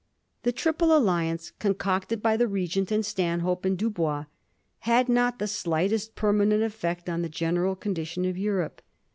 The triple alliance, concocted by the Regent and Stanhope and Dubois, had not the slightest permanent efiect on the general condition of Europe.